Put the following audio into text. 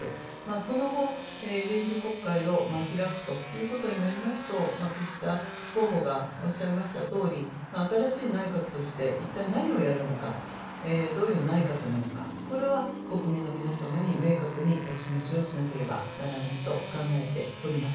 その後、臨時国会を開くということになりますと、岸田候補がおっしゃいましたとおり、新しい内閣として一体何をやるのか、どういう内閣なのか、これは国民の皆様に明確にお示しをしなければならないと考えております。